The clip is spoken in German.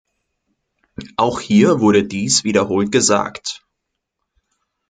Auch hier wurde dies wiederholt gesagt.